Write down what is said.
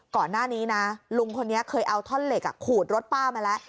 ก่อนหน้านี้นะลุงคนนี้เคยเอาท่อนเหล็กขูดรถป้ามาแล้ว